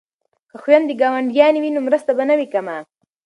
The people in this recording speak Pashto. که خویندې ګاونډیانې وي نو مرسته به نه وي کمه.